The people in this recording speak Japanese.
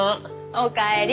おかえり。